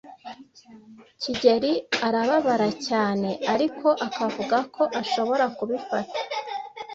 kigeli arababara cyane, ariko akavuga ko ashobora kubifata.